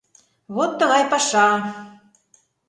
Вот тыгай паша!